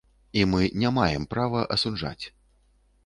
І мы не маем права асуджаць.